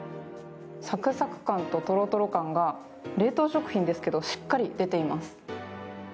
サクサク感とトロトロ感が冷凍食品ですけどしっかり出ています。